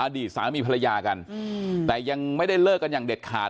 อดีตสามีภรรยากันแต่ยังไม่ได้เลิกกันอย่างเด็ดขาด